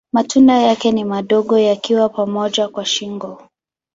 Matunda yake ni madogo yakiwa pamoja kwa shingo.